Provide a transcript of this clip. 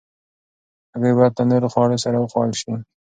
هګۍ باید له نورو خوړو سره وخوړل شي.